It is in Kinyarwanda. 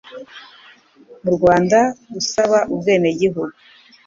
mu Rwanda usaba ubwenegihugu.